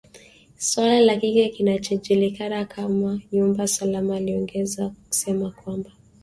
suala la kile kinachojulikana kama nyumba salama aliongeza akisema kwamba